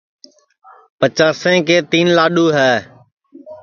پچاسیں کے تیں لاڈؔو ہے